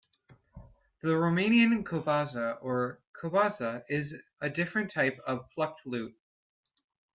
The Romanian kobza or cobza is a different type of plucked lute.